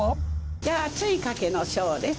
じゃあ熱いかけの小です。